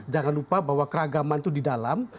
jangan lupa bahwa keragaman itu di dalam